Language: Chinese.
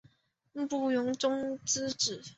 慕容忠之子。